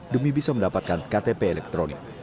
demi bisa mendapatkan ktp elektronik